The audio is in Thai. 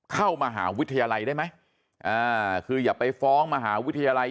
เข้ามหาวิทยาลัยได้ไหมอ่าคืออย่าไปฟ้องมหาวิทยาลัย